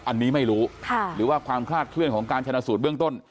อันนี้ไม่รู้หรือว่าความคลาดเคลื่อนของการชนะสูตรเบื้องต้น